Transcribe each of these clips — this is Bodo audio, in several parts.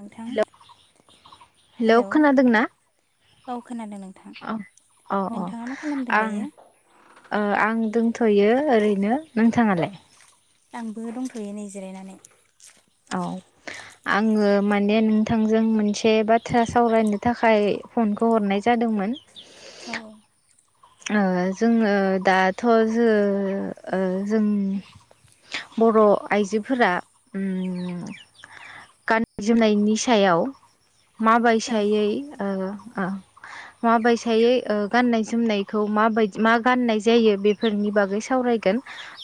नोंथां हेलौ हेलौ हेलौखोनादोंना। औ। खोनादों नोंथां औ औ औ नोंथाङा मा खालामदों दायो आं आं‌ दोंथ। थ'यो ओरैनो नोंथाङालाय आंबो दंथयो नै जिरायनानै औ आंङो माने नोंथांजों मोनसे बाथ्रा सावरायनो थाखाय फनखौ हरनाय जादोंमोन। औ औ। ओ जोंङो दाथ जो ओ जों बर आइजोफोरा गाननाय जोमनायनि सायाव। औ माबायसायै ओ। ओ माबायसायै ओ गाननाय जोमनाय। खौ माबायदि मा गाननाय जायो बेफोरनि बागै सावरायगोन।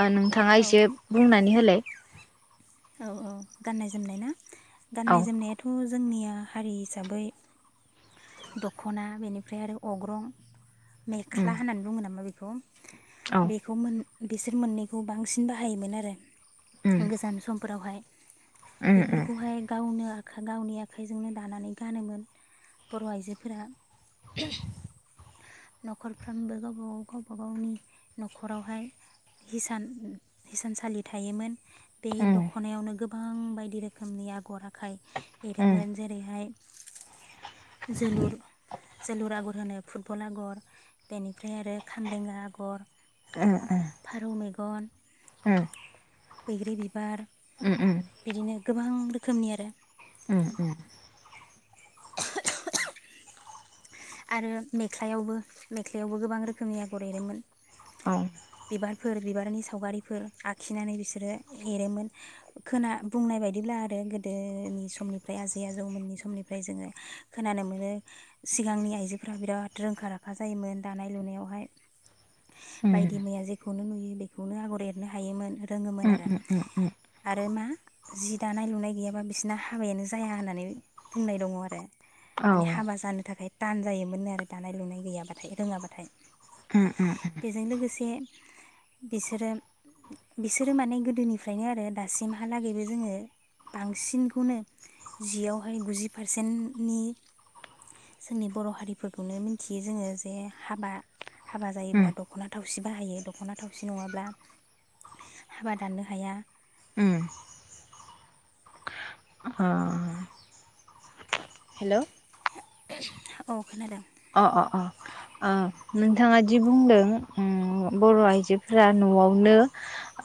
ओ‌ नोंथाङा औ एसे बुंनानै होलाय। [inaudible] औ औ गाननाय जोमनाय ना। औ गाननाय जोमनायाथ जोंनिया। हारि हिसाबै दखना बेनिफ्राय आरो अग्रं। उम मेख्ला होननानै बुंङो नामा बेखौ। औ [unintelligible] बेखौ मोन। बिसोर मोननैखौ बांसिन बाहायोमोन आरो। उम गोजान सम। दावहाय। उम उम बेफोरखौहाय गावनो। आ गावनि आखाइजोंनो दानानै गानोमोन बर आइजोफोरा नखरफ्रामबो गावबा गाव गावबा गावनि नखरावहाय हिसान हिसानसालि। बे द उम गोबां बायदि रोखोमनि आगर आ। आखाइ उम एरोमोन जेरैहाय। जोलुर जोलुर आगुर होनो। फुटबल आगर बेनिफ्राय आरो खामरेंगा आगर। ओ ओ। बन। उम बैग्रि बिबार उम बिदिनो गोबां रो र्खोमनि आरो उम उम। [unintelligible] आरो मेख्लायावबो मेख्लायावबो गोबां रोखोमनि आगर एरोमोन। औ बिबारफोर बिबारनि सावगारिफोर आखिनानै बिसोरो एरोमोन खोना बुंनाय बायदिब्ला आरो गोदोनि समनिफ्राय आजै-आजौमोननि समनिफ्राय जोङो खोनानो मोनो सिगांनि आइजोफोरा बिराद रोंखा-राखा जायोमोन दानाय लुनायावहाय। उम बायदि मैया जेखौनो नुयो बेखौनो आगर एरनो हायोमोन। रोङोमोन उम आरो उम औ आरो मा जि दानाय लुनाय गैयाबा बिसोरना हाबायानो जाया होननानै बुंनाय दङ आरो। माने हाबा जानो थाखाय‌ तान जायोमोननो आरो दानाय लुनाय गैयाबाथाय रोङाब्लाथाय। उम उम बेजों लोगोसे बिसोरो बिसोरो माने गोदोनिफ्रायनो आरो दासिमहालागैबो जोङो बांसिनखौनो जियावहाय गुजि पारसेन्टनि जोंनि बर' हारिफोरखौनो मिथियो जोङो जे हाबा हाबा उम उम जायोब्ला दख'ना थाव सि बाहायो दख'ना थावसि नङाब्ला हाबा दाननो हाया। उम। ओ हेल' औ खोनादों। अ अ अ ओ नोंथाङा दि बुंदों उम बर' आइजोफोरा न'आवनो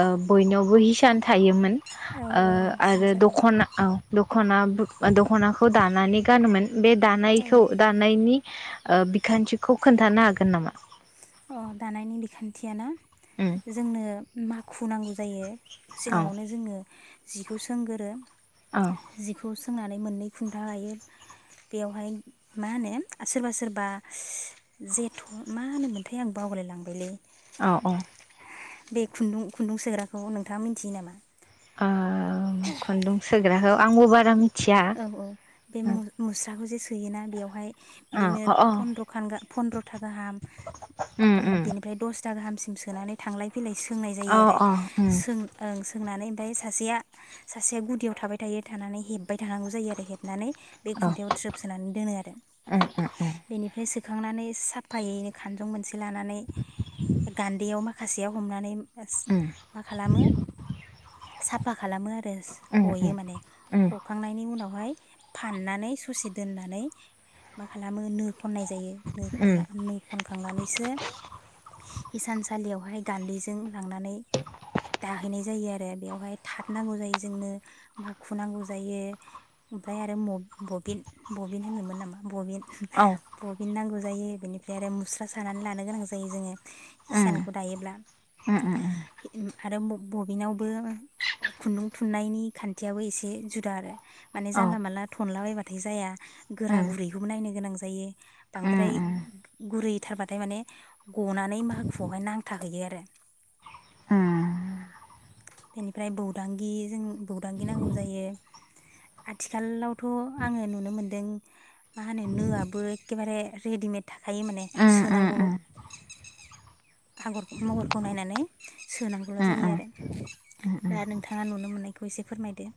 ओ बयनावबो हिसान थायोमोन औ ओ औ आरो हिसानसालि दख'ना औ दख'ना-दख'नाखौ दानानै गानोमोन। बे औ दानायखौ दानायनि औ बिखान्थिखौ खोन्थानो हागोन नामा। अ दानायनि बिखान्थिया ना। उम जोंनो मा खु नांगौ जायो। औ सिगाङावनो जोङो जिखौ सोंगोरो। औ जिखौ सों सोंनानै मोननै खुन्था गायो बेयावहाय मा होनो सोरबा सोरबा जेथ' मा होनो मोन थाय आं बावलायलांबायलै। औ अ। बे खुन्दुं खुन्दुं सोग्राखौ नोंथाङा मोनथियो नामा? ओ ओं खुन्दुं सोग्राखौ आंबो बारा मि औ औ बे मु-मुस्राखौ जे सो योना बेवहाय अ बिदिनो अ फन्द्रखान गा फन्द्र था गाहाम उम बिनिफ्राय दस था गाहामसिम सोनानै थांलाय फैलाय सोंनाय जायो अ आरो अ उम सों ओं। सोंनानै ओमफाय सासेया सासेया गुदियाव थाबाय थायो थानानै हेब बाय थानांगौ जायो आरो हेबनानै बे औ खुन्थायाव थ्रोब सोनानै दोनो आरो उम उम बेनिफ्राय सो खांनानै साफायैनो खानजं मोनसे लानानै गान्दैयाव मा खासेयाव हमनानै मा खालामो साफा खालामो आरो उम उम उम हयो माने ह उनावहाय फाननानै स'से दोननानै मा खालामो नो खननाय जायो नो उम खनना नो खनखांनानैसो हिसानसालियावहाय गान्दैजों लांनानै दाहैनाय जायो आरो बेयावहाय थात नांगौ जायो जोंनो माखु नांगौ। जायो ओमफाय आरो मब बबिन बबिन होनोमोन नामा बबिन औ बबिन नांगौ। जायो बेनिफ्राय आरो मुस्रा सानानै लानो गोनां जायो जोङो। उम हिसानखौ दायोब्ला उम उम हि आरो मब बबिनावबो खुन्दुं थुननायनि खान्थियाबो एसे जु दा आरो माने औ उम जानला मानला थनलाबायबा थाय जाया। गोरा उम उम गुरैखौबो नायनो गोनां जा यो उम बांद्राय गुरैथारबाथाय माने गनानै माखुआवहाय नांथाहैयो आरो बेनिफ्राय बौदांगि जों बौदांगि नांगौ जायो। आथिखालावथ' आङो नुनो मोनदों मा होनो? नोआबो एखेबारे रेडिमेड थाखायो माने उम उम उम सोनांगौल' आगर महरखौ नायनानै सोनांगौल' उम जायो उम आरो। उम उम दा नोंथाङा नुनो मोननायखौ एसे फोरमायदो।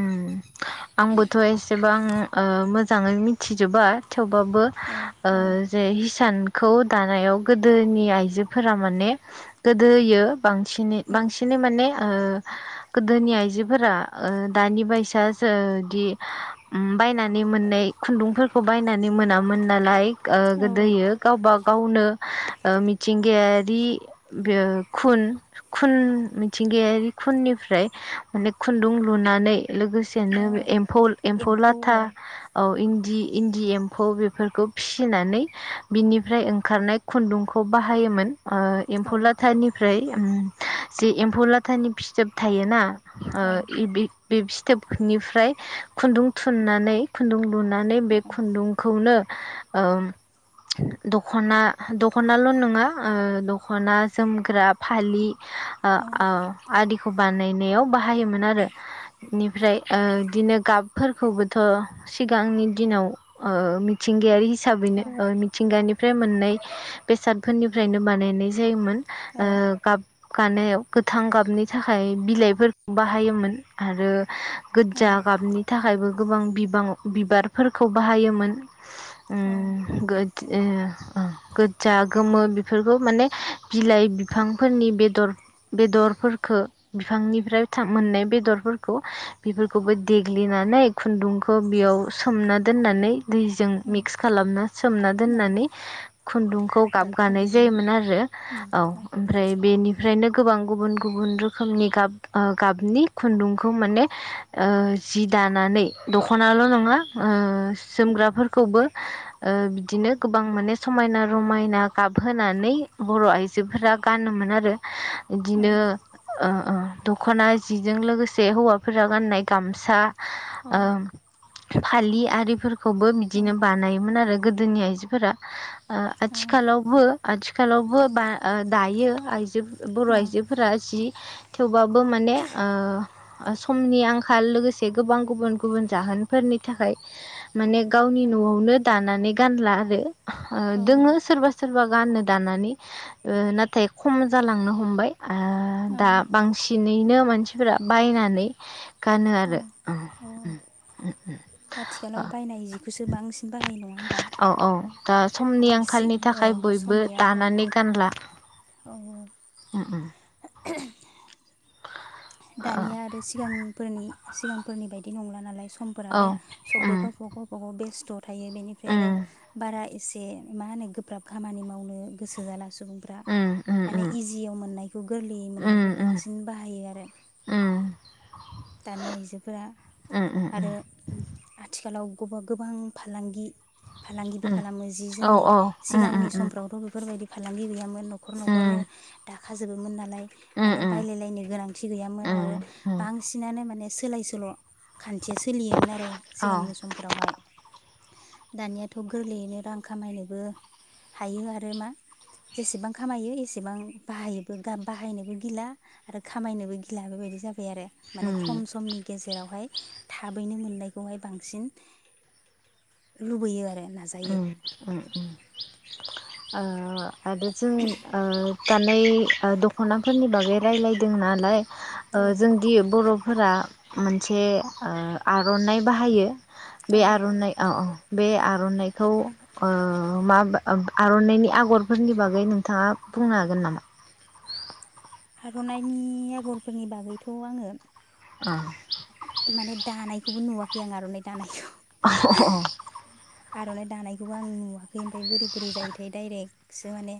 उम आंबोथ' एसेबां ओ मोजाङै मिथिजोबा। थेवबाबो औ ओ औ जे हिसान खौ दानायाव गोदोनि आइजोफोरा माने गोदोयो बांसिनै उम बांसिनै माने ओ गोदोनि आइजोफोरा ओ दानि बायसा जोदि उम बायनानै मोननाय खुन्दुंफोरखौ बायनानै मोनामोन नालाय ओ औ गोदोयो गावबा गावनो ओ मिथिंगायारि ओ खुन खुन मिथिंगायारि खुननिफ्राय माने खुन्दुं लुनानै लोगो औ बिदिनो एम्फौ एम्फौ लाथा औ इन्दि इन्दि एम्फौ बेफोरखौ फिसिनानै बिनिफ्राय ओंखारनाय खुन्दुंखौ बाहायोमोन। ओ औ एम्फौ लाथानि फ ओमफ्राय उम जे एम्फौ लाथानि फिथोब थायोना? ओ औ इबि बे फिथोब फोरनिफ्राय खुन्दुं थुननानै खुन्दुं लुनानै बे खुन्दुंखौनो ओम दख'ना दख'नाल' नङा ओ दख'ना जोमग्रा फालि ओ औ ओ आदि खौ बानायनायाव बाहायोमोन आरो निफ ओमफ्राय ओ बिदिनो गाबफोरखौबोथ' सिगांनि दिनाव ओ मिथिंगायारि हिसाबैनो ओ मिथिंगानिफ फ्राय मोननाय बेसादफोरनिफ्रायनो बानायनाय जायोमोन। औ ओ गाब गानायाव गोथां गाबनि थाखाय बिलाइफोर बाहायोमोन आरो [inaudible] औ गोजजा गाबनि थाखायबो गोबां बिबां बिबारफोरखौ बाहायोमोन। औ उम गोद ओ ओ गोजा, गोमो बिफ बेफोरखौ माने बिलाइ बिफांफोरनि बेदर बेदरफोरखो बिफांनिफ्राय थां मोननाय बेदरफोरखौ बेफोरखौबो देग्लिनानै खुन्दुंखौ बेयाव सोमना दोननानै दैजों उम मिक्स खालामना सोमना औ दोननानै खुन्दुंखौ गाबगानाय गाबगाहोयोमोन जायोमोन आरो औ ओमफ्राय बेनि ओफ्रायनो गोबां गुबुन गुबुन रोखोमनि गाब ओ गाबनि खुन्दुं बेखौ माने ओ जि दानानै दख'नाल' नङा ओ जोमग्राफोरखौबो ओ बिदिनो गोबां माने समायना रमायना गाब होनानै बर' आइजोफोरा गानोमोन आरो औ इदिनो ओ ओ दख'ना जिजों लोगोसे जे हौवाफोरा गाननाय गामसा ओं। फालि आरिफोर खौबो बिदिनो बानायोमोन आरो। गोदोनि आइजोफोरा। औ औ आथिखालावबो। आथिखालावबो बा दायो आइजो बर' आइजोफोरा जि थेवबाबो माने ओ समनि आंखाल लोगोसे गोबां गुबुन गुबुन जाहोनफोरनि थाखाय। माने गावनि न'आवनो दानानै। गानला आरो। दोङो सोरबा सोरबा। गाननो दानानै नाथाय खम जालांनो हमबाय। दा बांसिन। नेनो मानसिफोरा। बायनानै। गानो औ आरो औ आथिखालाव बायनाय जिखौसो बांसिन बाहायो नङा होमबा। औ औ दा औ समनि सि आंखालनि थाखाय ओं बयबो समनि आंखालनि दानानै गानला। औ औ। उम उम। [inaudible] दानिया आरो सिगांफोरनि सिगांफोरनि बायदि नंला नालाय। औ समफोराबो सबबो उम गावबा गाव गावबा गाव बेस्थ'। थायो बेनिफ्राय उम आरो बारा एसे मा होनो गोब्राब खामानि मावनो गोसो जाला सुबुंफ्रा उम उम माने उम इजियाव मोननायखौ गोरलैयै उम मोननायखौ उम बांसिन बाहायो आरो। दानि आइजोफोरा उम उम उम आरो आथिखालाव गबा गोबां फालांगि फालांगिबो उम खालामो जि औ जोमनि औ उम उम सिगांनि उम समफ्रावथ' बेफोरबायदि फालांगि गैयामोन न' न'खर न'खरनो उम दा खाजोबोमोन नालाय। उम माने उम बायलायलायनो गोनांथि गैयामोन आरो उम उम बां गानो माने सोलाय सोल'। खान्थिया सोलियोमोन आरो औ सिगांनि समफोरावहाय। दानियाथ' गोरलैयैनो रां खामायनोबो हायो आरो मा जेसेबां खामायो एसेबां बाहायोबो बाहायनोबो गिला आरो खामायनोबो गिला बेबायदि जाबाय आरो। माने उम खम समनि गेजेरावहाय। थाबैनो मोननायखौहाय बांसिन लुबैयो आरो। उ उ नाजायो उम [inaudible] ओ। आरो जों ओ दानाय ओ दख'नाफोरनि बागै रायलायदों नालाय। ओ औ जोंदि बर'। फोरा मोनसे ओ आर'नाइ बाहायो। बे औ आर'नाइ ओ औ। बे आर'नाइ खौ ओ मा बा ओ आर'नाइनि आगरफोरनि बागै नोंथाङा बुंनो हागोन नामा? आर'नाइनायनि आगरफोरनि बागैथ' आङो। अ माने दानायखौबो नुवाख गिं आर'नाइ दानायखौ। [unintelligible] आर'नाइ दानायखौबो आं नुवाखै ओमफ्राय बोरै बोरै जायोथाय डाइरेक्टसो माने।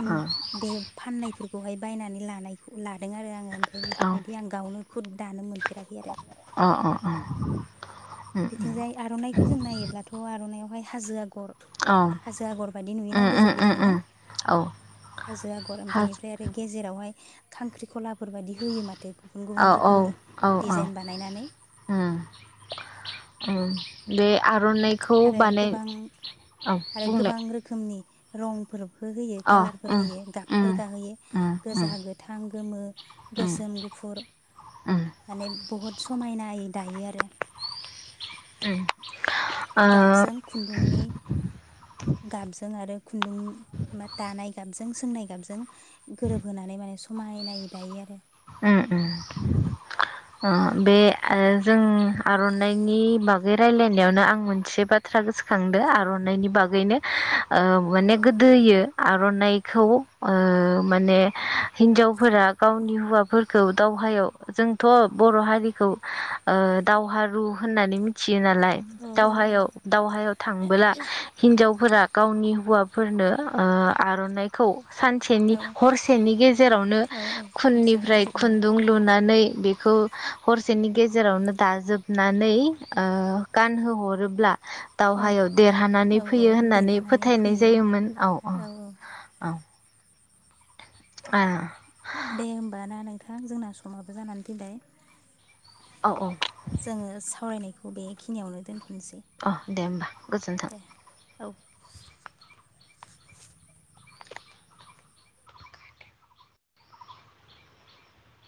ओम बे फाननाय। फोरखौहाय बायनानै लानायखौ लाद लादों आरो आङो ओमफ्राय औ बेफोरबायदि आं गावनो। खुद दानो मोन अ अ अ। [inaudible] उम उम बिथिंजाय आर'नाइखौ जों नायोब्लाथ' आर'नायाव। हाजो आगर। औ हाजो आगर बायदि नुयोना उम उम गोजौ उम गोजौनो उम औ हाजो आग'र हाजो बेनिफ्राय आरो गेजेरावहाय खांक्रिखला फोरबायदि होयो माथो गुबुन औ गुबुन औ रोखोमनि औ औ डिजाइन बानायनानै। उम उम बे आर'नाइखौ आरो बानाय गोबां औ बुंलाय रं फोर हो होयो अ कालारफोर उम होयो गाबफोर उम गाहोयो उम उम गोजा गोथां गोमो उम गोसोम गुफुर उम माने बहुद। समायनायै दायो आरो उम ओ गाबजों खुन्दुंनि गाबजों आरो खुन्दुं बा दानाय गाबजों सोंनाय गाबजों गोरोबहोनानै माने समायनायै नायो दायो आरो उम उम ओ बे ओ जों आरनाइनि बागै रायलायनायावनो आं मोनसे बाथ्रा गोसोखांदो आरनाइनि बागैनो ओ माने औ गोदोयो आरनाइ खौ ओ माने हिनजावफोरा गावनि हौवा फोरखौ दावहायाव जोंथ बर हारिखौ ओ दावहारु होननानै मिथि योनालाय औ दावहायाव दावहायाव थांबोला हिनजावफोरा गावनि हौवाफोरनो ओ आरनाइखौ सानसेनि औ हरसेनि गेजेरावनो औ औ खुननि हरसेनि फ्राय गेजेरावनो खुन्दुं लुनानै बेखौ हरसेनि गेजेरावनो दाजोबनानै ओ गानहोहरोब्ला औ दावहायाव औ देरहानानै औ फैयो होननानै देरहानानै फोथायनाय फैयो जायोमोन औ औ औ आह दे होमबा ना नोंथां जोंना समाबो जानानै फैबाय। औ औ जोङो सावरायनायखौ बेखिनियावनो दोनथ' अह दे होमबा गोजोन्थों औ